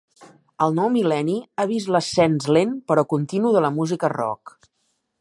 El nou mil·lenni ha vist l'ascens lent però continu de la música rock.